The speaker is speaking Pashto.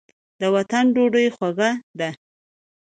د وطن ډوډۍ خوږه ده.